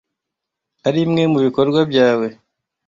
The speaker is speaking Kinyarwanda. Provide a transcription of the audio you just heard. arimwe mubikorwa byawe.